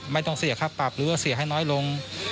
ไม่ต้องเสียค่าปรับหรือว่าเสียให้น้อยลง